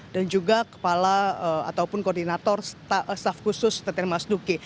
dan juga kepala ataupun koordinator staff khusus teten mas duki